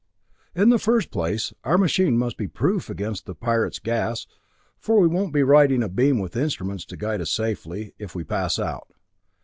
"In the first place, our machine must be proof against the Pirate's gas, for we won't be riding a beam with instruments to guide us safely, if we pass out.